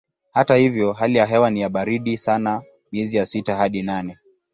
Hata hivyo hali ya hewa ni ya baridi sana miezi ya sita hadi nane.